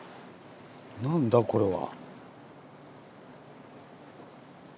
何だこれは。